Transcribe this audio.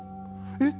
え？